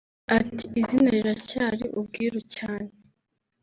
Ati “Izina riracyari ubwiru cyane